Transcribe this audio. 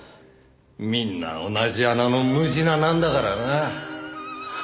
みんな同じ穴のムジナなんだからな。